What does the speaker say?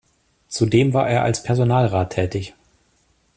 Zudem war er als Personalrat tätig.